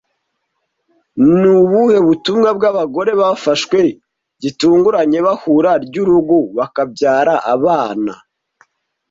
Ni ubuhe butumwa bw'abagore bafashwe gitunguranye bahura ry urugo bakabyara abana?